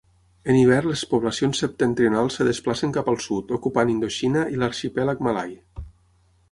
En hivern les poblacions septentrionals es desplacen cap al sud, ocupant Indoxina i l'Arxipèlag Malai.